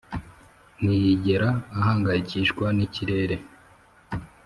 ntiyigera ahangayikishwa n'ikirere